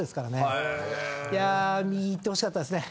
右いってほしかったですね。